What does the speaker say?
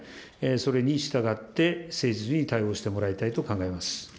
それに従って、誠実に対応してもらいたいと考えます。